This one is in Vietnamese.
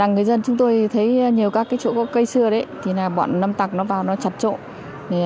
người dân chúng tôi thấy nhiều các cái chỗ có cây xưa đấy thì là bọn lâm tặc nó vào nó chặt trộn